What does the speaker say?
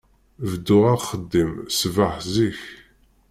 Bedduɣ axeddim ṣbeḥ zik.